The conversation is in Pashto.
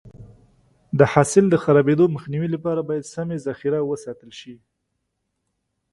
د حاصل د خرابېدو مخنیوي لپاره باید سمې ذخیره وساتل شي.